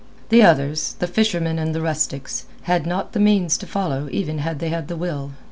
The others—the fishermen and the rustics—had not the means to follow even had they had the will.